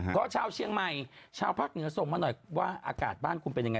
ก็ชาวเชียงใหม่ชาวภาคเหนือส่งมาหน่อยว่าอากาศบ้านคุณเป็นยังไง